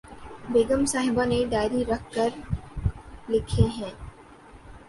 بیگم صاحبہ نے ڈائری رکھ کر لکھے ہیں